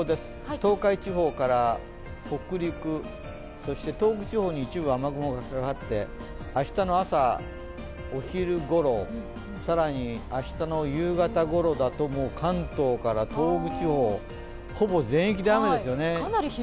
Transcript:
東海地方から北陸、東北地方に一部雨雲がかかって明日の朝、お昼ごろ、更に明日の夕方ごろだともう、関東から東北地方ほぼ全域で雨ですよね。